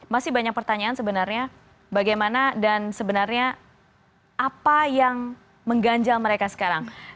masih banyak pertanyaan sebenarnya bagaimana dan sebenarnya apa yang mengganjal mereka sekarang